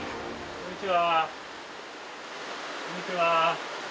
こんにちは。